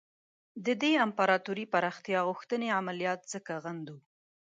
د دې امپراطوري پراختیا غوښتنې عملیات ځکه غندو.